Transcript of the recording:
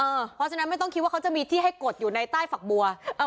เพราะฉะนั้นไม่ต้องคิดว่าเขาจะมีที่ให้กดอยู่ในใต้ฝักบัว